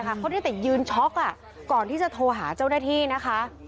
เขาได้แต่ยืนช็อกก่อนที่จะโทรหาเจ้าหน้าที่นะคะ